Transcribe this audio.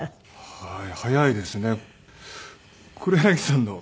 はい。